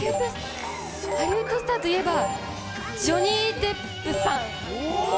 ハリウッドスターといえば、ジョニー・デップさん。